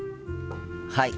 はい。